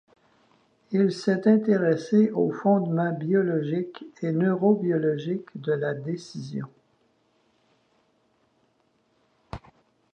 Il s'est intéresse aux fondements psychologiques et neurobiologiques de la décision.